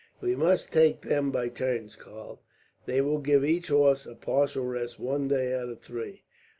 "We must take them by turns, Karl. That will give each horse a partial rest one day out of three."